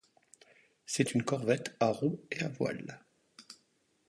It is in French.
C'est une corvette à roues et à voile.